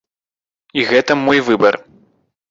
І гэта мой выбар.